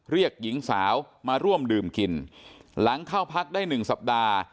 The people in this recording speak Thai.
หญิงสาวมาร่วมดื่มกินหลังเข้าพักได้หนึ่งสัปดาห์